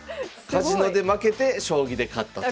カジノで負けて将棋で勝ったという。